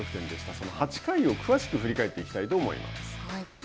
その８回を詳しく振り返っていきたいと思います。